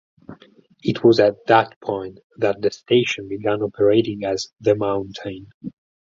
It was at that point that the station began operating as The Mountain.